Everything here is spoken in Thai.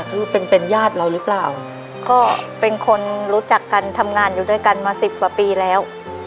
คือเป็นเป็นญาติเราหรือเปล่าก็เป็นคนรู้จักกันทำงานอยู่ด้วยกันมาสิบกว่าปีแล้ว